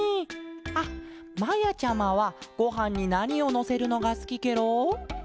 あっまやちゃまはごはんになにをのせるのがすきケロ？